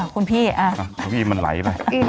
ขุมพี่อ้าวอ้าวทำไมมันไหลไปอืม